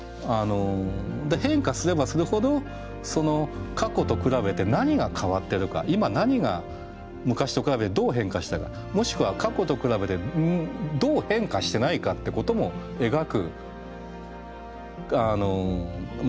変化すればするほど過去と比べて何が変わってるか今何が昔と比べてどう変化したかもしくは過去と比べてどう変化してないかってことも描く対象になってくるっていうか。